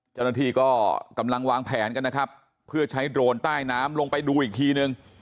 เจ้าหน้าที่ก็กำลังวางแผนกันนะครับเพื่อใช้โดรนใต้น้ำลงไปดูอีกทีนึง